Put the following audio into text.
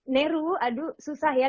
neru aduh susah ya